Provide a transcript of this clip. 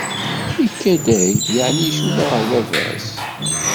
Ikad-ak-d yeεni icuba ɣer baba-s?